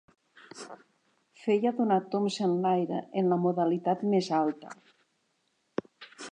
Feia donar tombs enlaire, en la modalitat més alta.